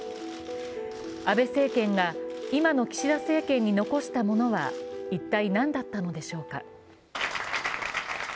安倍政権が今の岸田政権に残したものは一体、何だったのでしょうか。